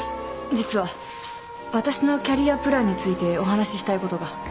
実は私のキャリアプランについてお話ししたいことが。